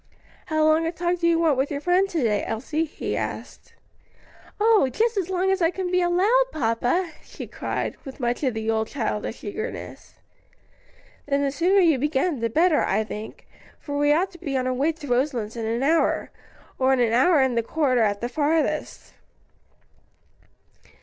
"How long a talk do you want with your friend to day, Elsie?" he asked. "Oh, just as long as I can be allowed, papa!" she cried, with much of the old childish eagerness. "Then the sooner you begin, the better, I think, for we ought to be on our way to Roselands in an hour, or an hour and a quarter at the farthest."